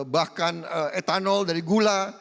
bahkan etanol dari gula